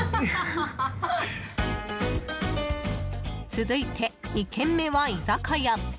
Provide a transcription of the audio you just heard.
続いて、２軒目は居酒屋。